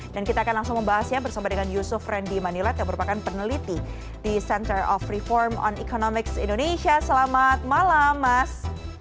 dan kita akan langsung membahasnya bersama dengan yusuf rendy manilat yang merupakan peneliti di center of reform on economics indonesia selamat malam mas